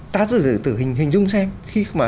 ta sẽ tự hình dung xem khi mà